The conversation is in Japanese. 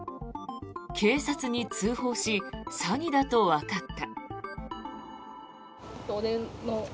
警察に通報し詐欺だとわかった。